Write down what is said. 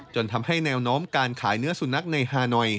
จนทำให้แนวโน้มการขายเนื้อสุนัขในฮานอย